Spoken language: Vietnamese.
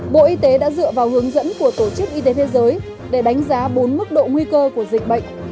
bộ y tế đã dựa vào hướng dẫn của tổ chức y tế thế giới để đánh giá bốn mức độ nguy cơ của dịch bệnh